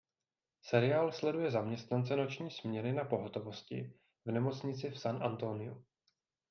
Seriál sleduje zaměstnance noční směny na pohotovosti v nemocnici v San Antoniu.